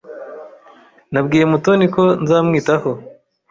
Nabwiye Mutoni ko nzamwitaho.